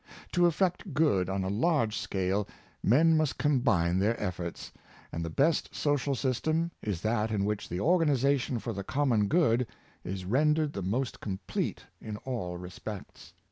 To effect good on a large scale men must combine their efforts; and the best social system is that in w^hich the organization for the common good is rendered the most complete in all respects.